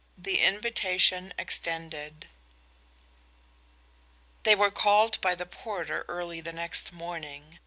THE INVITATION EXTENDED They were called by the porter early the next morning.